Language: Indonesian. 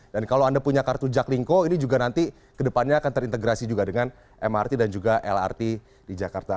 dan kalau anda punya kartu jaklingco ini juga nanti kedepannya akan terintegrasi juga dengan mrt dan juga lrt di jakarta